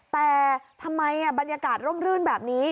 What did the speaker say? แต่ทำไมบรรยากาศร่มรื่นแบบนี้